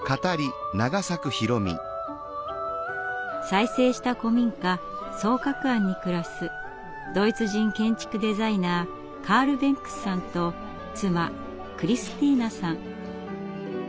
再生した古民家双鶴庵に暮らすドイツ人建築デザイナーカール・ベンクスさんと妻クリスティーナさん。